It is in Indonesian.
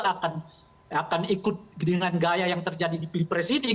lakan lakan ikut dengan gaya yang terjadi strategically sih oke bang saja menanyakan